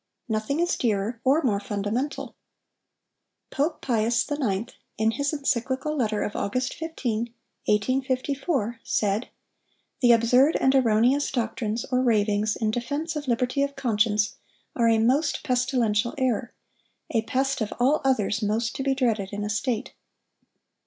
Nothing is dearer or more fundamental. Pope Pius IX., in his Encyclical Letter of August 15, 1854, said: 'The absurd and erroneous doctrines or ravings in defense of liberty of conscience, are a most pestilential error—a pest, of all others, most to be dreaded in a State.